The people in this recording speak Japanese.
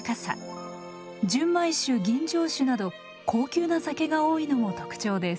純米酒吟醸酒など高級な酒が多いのも特徴です。